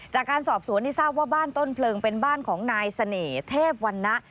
จากการสอบสวนที่ทราบว่าบ้านต้นเพลิงเป็นบ้านของนายเสน่ห์เทพวันนะ